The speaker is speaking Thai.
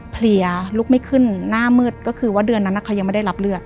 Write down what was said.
เพลียลุกไม่ขึ้นหน้ามืดก็คือว่าเดือนนั้นเขายังไม่ได้รับเลือด